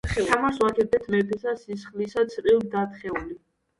თამარს ვაქებდეთ მეფესა სისხლისა ცრემლ-დათხეული,